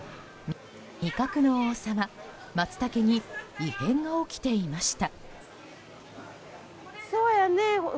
味覚の王様マツタケに異変が起きていました。